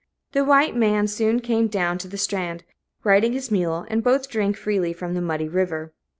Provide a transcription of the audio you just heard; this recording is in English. The white man soon came down to the strand, riding his mule, and both drank freely from the muddy river.